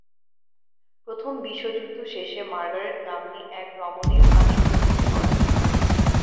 প্রথম বিশ্বযুদ্ধ শেষে মার্গারেট নাম্নী এক রমণীর পাণিগ্রহণ করেন।